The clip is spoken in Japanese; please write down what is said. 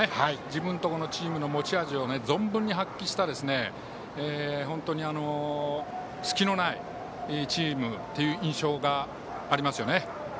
自分とこのチームの持ち味を存分に発揮した本当に隙のないチームという印象がありますよね。